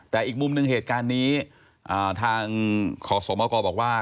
แต่อีกมุมหนึ่งเหตุการณ์นี้ทางขอสมกบอกว่า